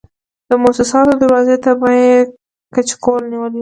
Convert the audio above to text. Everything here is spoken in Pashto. د موسساتو دروازې ته به یې کچکول نیولی و.